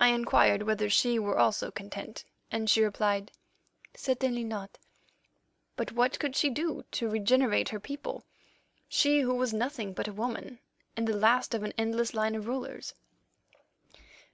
"I inquired whether she were also content, and she replied, 'Certainly not'; but what could she do to regenerate her people, she who was nothing but a woman, and the last of an endless line of rulers?